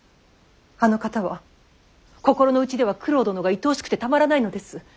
あの方は心の内では九郎殿がいとおしくてたまらないのです。